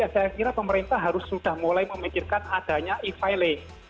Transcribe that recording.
saya kira pemerintah harus sudah mulai memikirkan adanya e filing